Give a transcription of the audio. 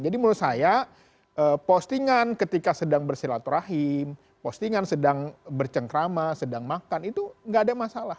jadi menurut saya postingan ketika sedang bersilaturahim postingan sedang bercengkrama sedang makan itu enggak ada masalah